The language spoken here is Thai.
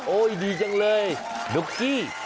โอ้ยดีจังเลยนุ๊กกี้